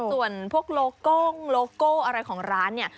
ส่วนพวกโลโก้งโลโก้อะไรของร้านเนี่ย